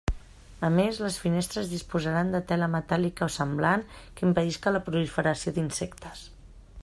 A més, les finestres disposaran de tela metàl·lica o semblant que impedisca la proliferació d'insectes.